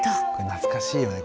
懐かしいよね